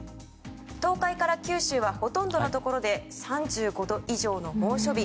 東海から九州はほとんどのところで３５度以上の猛暑日。